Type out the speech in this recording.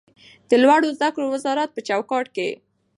د لوړو زده کړو وزارت په چوکاټ کې